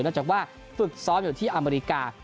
จากว่าฝึกซ้อมอยู่ที่อเมริกา